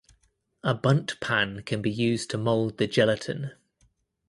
A bundt pan can be used to mold the gelatin.